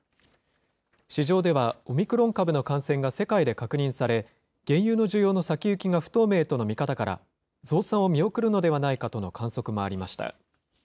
市場では、オミクロン株の感染が世界で確認され、原油の需要の先行きが不透明との見方から、増産を見送るのではないかとの観測もありました。